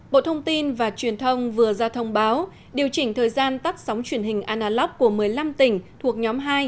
bộ thông tin và truyền thông vừa ra thông báo điều chỉnh thời gian tắt sóng truyền hình analop của một mươi năm tỉnh thuộc nhóm hai